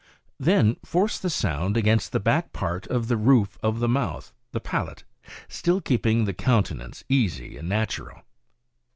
Then force the sound against the back part of the roof of the mouth — the palate — still keeping the countenance easy and natural.